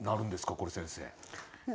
これ先生。